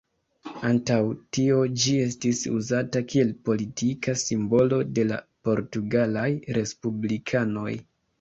Antaŭ tio ĝi estis uzata kiel politika simbolo de la portugalaj respublikanoj.